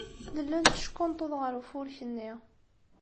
Nella netteckunṭuḍ ɣer ufurk-nni.